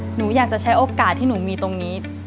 หนูอยากจะใช้โอกาสที่หนูมีตรงนี้